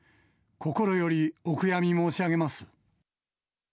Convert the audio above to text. こころよりお悔やみ申し上げます。